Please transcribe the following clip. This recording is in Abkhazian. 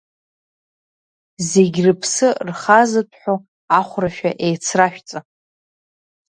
Зегь рыԥсы рхазыҭәҳәо ахәрашәа еицрашәҵа!